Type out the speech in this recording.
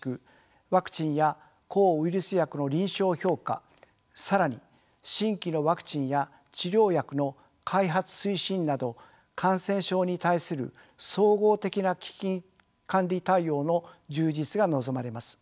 ワクチンや抗ウイルス薬の臨床評価更に新規のワクチンや治療薬の開発推進など感染症に対する総合的な危機管理対応の充実が望まれます。